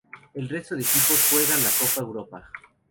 El resto de equipos juegan la copa Europa.